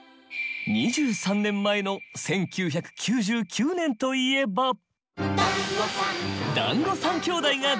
２３年前の１９９９年といえば。